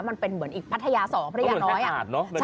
มันเป็นเหมือนอีกพัทยาสองพัทยาน้อยต้องเหมือนชายหาดเนอะ